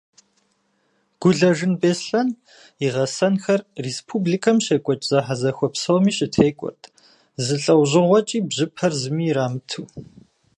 Гулэжын Беслъэн и гъэсэнхэр республикэм щекӏуэкӏ зэхьэзэхуэ псоми щытекӏуэрт, зы лӏэужьыгъуэкӏи бжьыпэр зыми ирамыту.